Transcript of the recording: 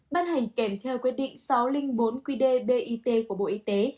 bán hành kèm theo quyết định sáu trăm linh bốn qdbit của bộ y tế